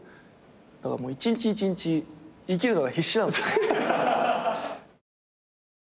だからもう一日一日生きるのが必死なんですよ。